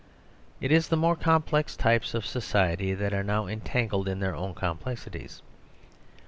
It is the more complex types of society that are now entangled in their own complexities.